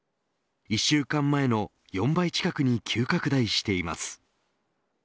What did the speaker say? １週間前の４倍近くに急拡大しています。